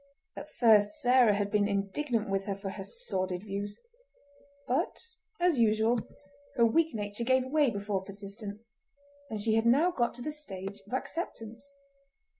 At first Sarah had been indignant with her for her sordid views; but, as usual, her weak nature gave way before persistence, and she had now got to the stage of acceptance.